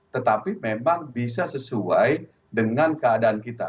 tetapi memang bisa sesuai dengan keadaan kita